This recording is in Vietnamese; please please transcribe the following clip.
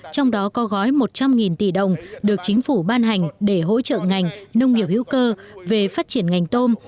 trong đó có gói một trăm linh tỷ đồng được chính phủ ban hành để hỗ trợ ngành nông nghiệp hữu cơ về phát triển ngành tôm